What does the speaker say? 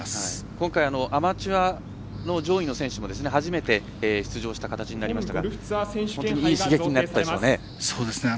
今回アマチュアの上位の選手も初めて出場した形になりましたが本当にいい刺激になったでしょうね。